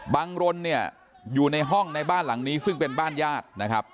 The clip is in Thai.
รนเนี่ยอยู่ในห้องในบ้านหลังนี้ซึ่งเป็นบ้านญาตินะครับ